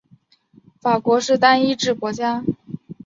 法国是单一制国家。